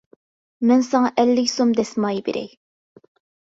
مەن ساڭا ئەللىك سوم دەسمايە بېرەي.